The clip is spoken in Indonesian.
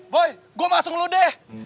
boy gue masuk lu deh